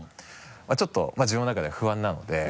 まぁちょっと自分の中で不安なので。